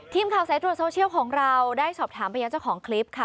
ทีมข่าวสายตรวจโซเชียลของเราได้สอบถามไปยังเจ้าของคลิปค่ะ